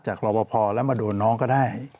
จากประวพพอแล้วมาโดนน้องก็ได้